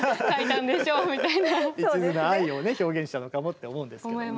いちずな愛をね表現したのかもって思うんですけどね。